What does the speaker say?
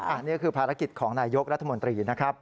อันนี้คือภารกิจของนายยกรัฐมนตรีนะครับ